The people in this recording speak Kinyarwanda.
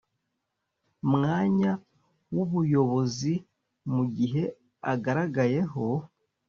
mwanya w ubuyobozi mu gihe agaragayeho